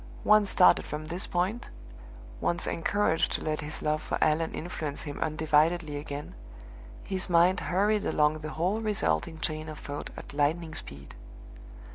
Once started from this point once encouraged to let his love for Allan influence him undividedly again, his mind hurried along the whole resulting chain of thought at lightning speed.